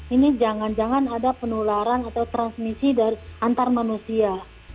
ini jangan jangan ada penularan atau transmisi antar manusia